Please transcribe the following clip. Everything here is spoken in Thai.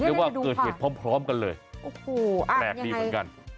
เรียกว่าเกิดเหตุพร้อมกันเลยแปลกดีเหมือนกันโอ้โหยังไง